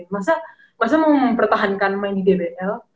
masa mau mempertahankan main di dbl